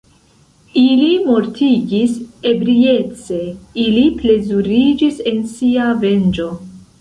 Ili mortigis ebriece, ili plezuriĝis en sia venĝo.